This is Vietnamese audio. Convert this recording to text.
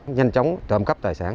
nhanh chóng trộm cắp tài sản